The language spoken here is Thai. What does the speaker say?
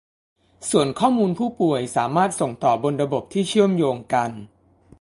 ส่วนข้อมูลผู้ป่วยสามารถส่งต่อบนระบบที่เชื่อมโยงกัน